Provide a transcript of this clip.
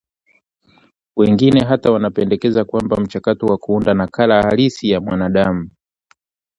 Wengine hata wanapendekeza kwamba mchakato wa kuunda nakala halisi ya mwanadamu,